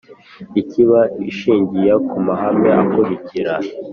ikaba ishingiye ku mahame akurikira: